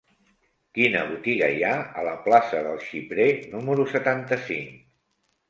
Quina botiga hi ha a la plaça del Xiprer número setanta-cinc?